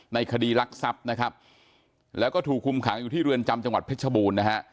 ในคดีรักทรัพย์นะครับแล้วก็ถูกคุมขังอยู่ที่เรือนจำจังหวัดเพชรบูรณ์นะฮะ